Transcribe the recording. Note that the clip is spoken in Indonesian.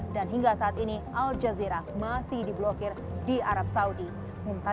dan hingga saat ini al jazirullah masih di blokir di mana mana